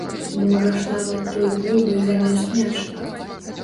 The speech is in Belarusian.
Можаш нават той бульбай замест мячыка.